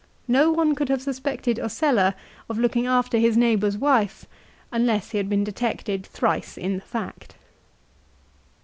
No one could have suspected Ocella of looking after his neighbour's wife unless he had been detected thrice in the fact.